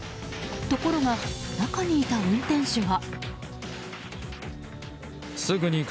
ところが中にいた運転手は。